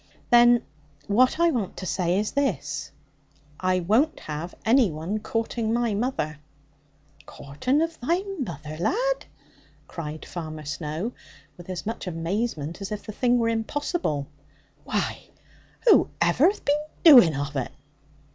'Then what I want to say is this I won't have any one courting my mother.' 'Coortin' of thy mother, lad?' cried Farmer Snowe, with as much amazement as if the thing were impossible; 'why, who ever hath been dooin' of it?'